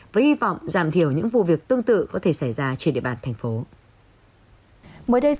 với hy vọng giảm thiểu những vụ việc tương tự có thể xảy ra trên địa bàn thành phố